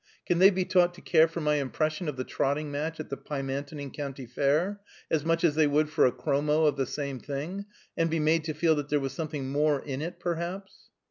Can they be taught to care for my impression of the trotting match at the Pymantoning County Fair, as much as they would for a chromo of the same thing, and be made to feel that there was something more in it perhaps?"